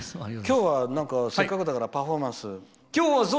今日は、せっかくだからパフォーマンスを。